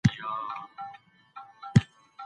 زدهکوونکي د ښوونځي د فعالیتونوڅخه خوند اخلي.